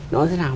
nó thế nào